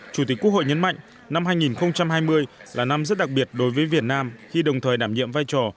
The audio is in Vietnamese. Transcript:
chủ tịch quốc hội nhấn mạnh năm hai nghìn hai mươi là năm rất đặc biệt đối với việt nam khi đồng thời đảm nhiệm vai trò